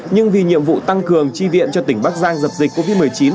nhưng vì nhiệm vụ tăng cường chi viện cho tỉnh bắc giang dập dịch covid một mươi chín